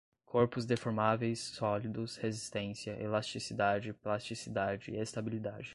Corpos deformáveis, sólidos, resistência, elasticidade, plasticidade, estabilidade